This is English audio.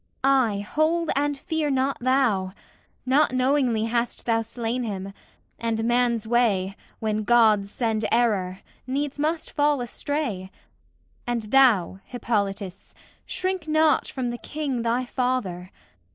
Aye, hold and fear not thou! Not knowingly hast thou slain him; and man's way, When Gods send error, needs must fall astray. And thou, Hippolytus, shrink not from the King, Thy father.